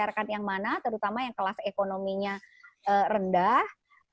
masyarakat yang mana terutama yang kelas ekonominya rendah